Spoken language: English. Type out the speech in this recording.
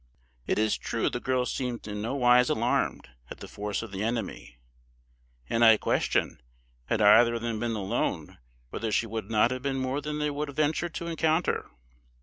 It is true the girl seemed in no wise alarmed at the force of the enemy; and I question, had either of them been alone, whether she would not have been more than they would have ventured to encounter.